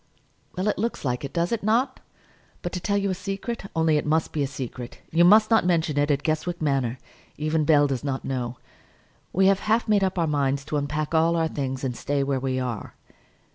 "Well, it looks like it, does it not? But, to tell you a secret, only it must be a secret; you must not mention it at Guestwick Manor; even Bell does not know; we have half made up our minds to unpack all our things and stay where we are."